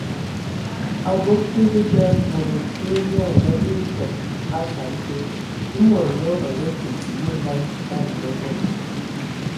Abog te dedā, mod mfe nyaa a ngabe fəg a afan te ; e mod nyo a ngəkə dzii məlam, ban mɔngɔ.